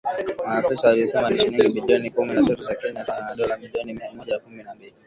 Maafisa walisema ni shilingi bilioni kumi na tatu za Kenya sawa na dola milioni mia moja kumi na mbili.